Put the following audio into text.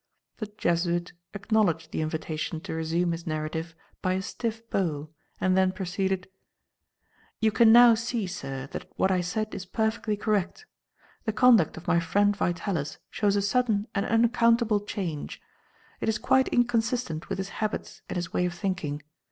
The Jesuit acknowledged the invitation to resume his narrative by a stiff bow and then proceeded: "You can now see, sir, that what I said is perfectly correct. The conduct of my friend Vitalis shows a sudden and unaccountable change. It is quite inconsistent with his habits and his way of thinking.